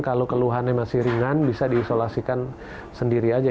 kalau keluhannya masih ringan bisa diisolasikan sendiri aja